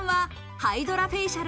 ハイドラフェイシャル。